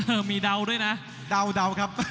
เออมีเดาด้วยนะเดาครับ